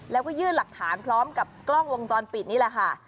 แล้วก็ยื่นหลักฐานพร้อมกับกล้องวงจรปิดนี่แหละค่ะ